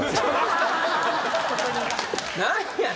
何やねん。